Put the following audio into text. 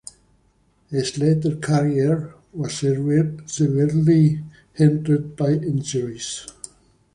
His later career was severely hindered by injuries.